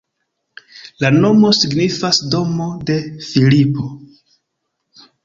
La nomo signifas domo de Filipo.